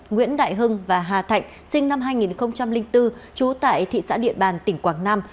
nguyễn đại hưng và hà thạnh sinh năm hai nghìn bốn trú tại thị xã điện bàn tỉnh quảng nam